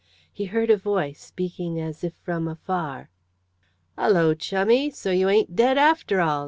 He heard a voice, speaking as if from afar. "Hullo, chummie, so you ain't dead, after all?